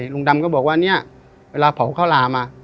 ลุงดำก็บอกว่าเนี่ยเวลาเผาข้าวหลามา